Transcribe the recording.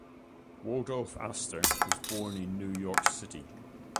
Waldorf Astor was born in New York City.